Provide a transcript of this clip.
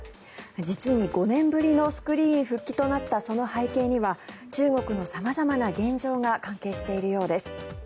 実に５年ぶりのスクリーン復帰となったその背景には中国の様々な現状が関係しているようです。